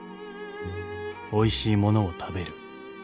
［おいしいものを食べる］